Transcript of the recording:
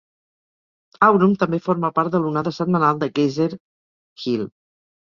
Aurum també forma part de l'onada setmanal de Geyser Hill.